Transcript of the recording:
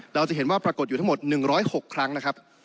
เราจะเห็นว่าปรากฏอยู่ทั้งหมด๑๐๖ครั้งนะครับ